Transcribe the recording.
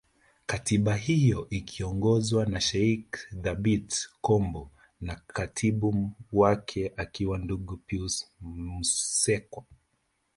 Katiba hiyo ikiongozwa na Sheikh Thabit Kombo na Katibu wake akiwa Ndugu Pius Msekwa